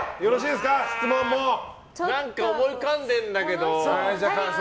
思い浮かんでるんだけど。